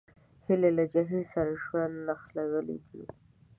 هیلۍ له جهیل سره ژوند نښلولی دی